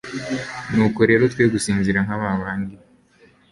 "Nuko rero twe gusinzira nka ba bandi,